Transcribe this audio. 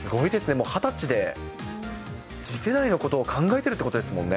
もう２０歳で次世代のことを考えてるってことですもんね。